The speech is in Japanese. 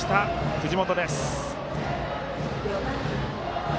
藤本です。